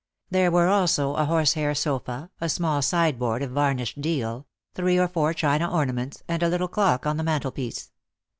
There were also a horsehair sofa, a small sideboard of varnished deal, three or four china ornaments, and a little clock on the mantelpiece.